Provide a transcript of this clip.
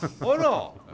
あら。